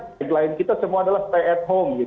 yang lain kita semua adalah stay at home